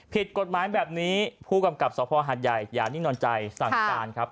ผิดกฎหมายแบบนี้ผู้กำกับสภหัดใหญ่อย่านิ่งนอนใจสั่งการครับ